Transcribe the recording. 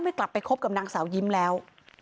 กลับไปคบกับนางสาวยิ้มแล้ว